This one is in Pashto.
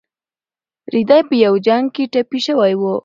رېدی په یو جنګ کې ټپي شوی و.